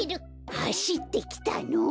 はしってきたの！